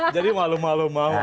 jadi malu maluin akhirnya